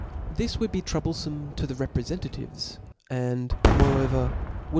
This would be trou* blefomc to the reprcfentatives, and moreover would 0.